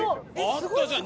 あったじゃん！